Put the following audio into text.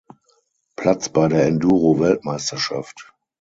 Platz bei der Enduro-Weltmeisterschaft.